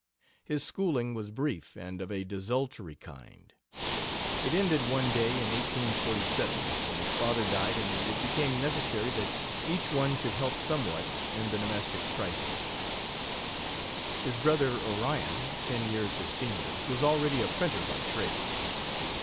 His schooling was brief and of a desultory kind. It ended one day in 1847, when his father died and it became necessary that each one should help somewhat in the domestic crisis. His brother Orion, ten years his senior, was already a printer by trade.